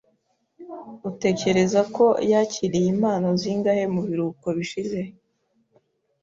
Utekereza ko yakiriye impano zingahe mu biruhuko bishize?